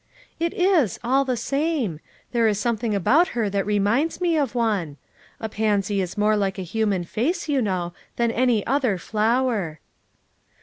"It is, all the same; there is something about her that reminds me of one. A pansy is more like a human face, you know, than any other flower.